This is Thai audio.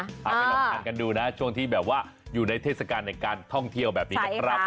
เหลือการกันดูนักที่อยู่ในทศการในการท่องเที่ยวแบบนี้